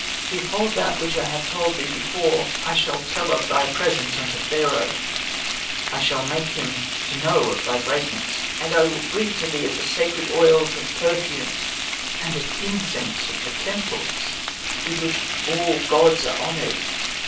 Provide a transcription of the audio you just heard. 'Behold now that which I have told thee before. I shall tell of thy presence unto Pharaoh, I shall make him to know of thy greatness, and I will bring to thee of the sacred oils and perfumes, and of incense of the temples with which all gods are honoured.